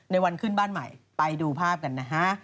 วันขึ้นบ้านใหม่ไปดูภาพกันนะฮะ